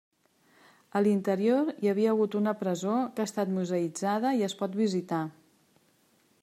A l'interior hi havia hagut una presó que ha estat museïtzada i es pot visitar.